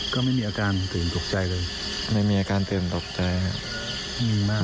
ก็ไม่มีอาการเต็มตกใจเลยไม่มีอาการเต็มตกใจครับมีมาก